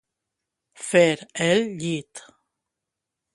Fer el llit.